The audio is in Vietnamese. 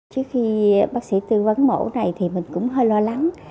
trước khi bác sĩ tư vấn mẫu này thì mình cũng hơi lo lắng